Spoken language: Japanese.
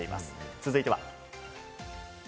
続いては。